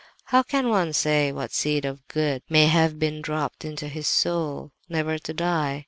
How can one say what seed of good may have been dropped into his soul, never to die?